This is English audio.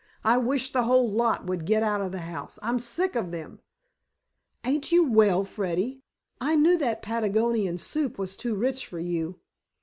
"I wish the whole lot would get out of the house. I'm sick of them." "Ain't you well, Freddy? I knew that Patagonian soup was too rich for you."